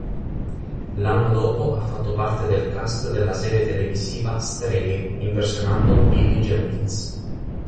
L'anno dopo ha fatto parte del cast della serie televisiva "Streghe" impersonando Billie Jenkins.